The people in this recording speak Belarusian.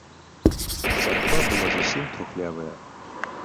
Царква была зусім трухлявая.